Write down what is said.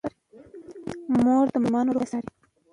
مور د ماشومانو روغتیا څاري.